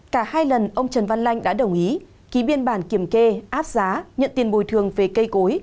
cả hai lần ông trần văn lanh đã đồng ý ký biên bản kiểm kê áp giá nhận tiền bồi thường về cây cối